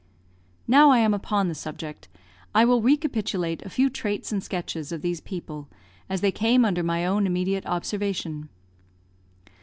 Now I am upon the subject, I will recapitulate a few traits and sketches of these people, as they came under my own immediate observation.